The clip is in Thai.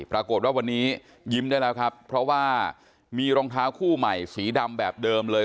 ปรากฏว่าวันนี้ยิ้มได้แล้วครับเพราะว่ามีรองเท้าคู่ใหม่สีดำแบบเดิมเลย